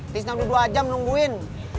tis nanti dua jam nungguin